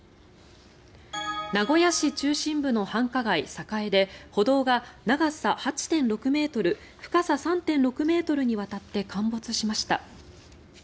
名古屋市中心部の繁華街、栄で歩道が長さ８．６ｍ深さ３．６ｍにわたって陥没しました。